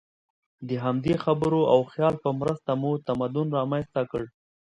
د همدې خبرو او خیال په مرسته مو تمدن رامنځ ته کړ.